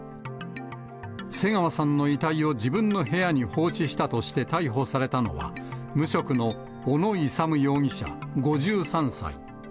瀬川さんの遺体を自分の部屋に放置したとして逮捕されたのは、無職の小野勇容疑者５３歳。